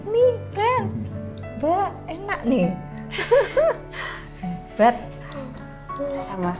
mereka akan berbuka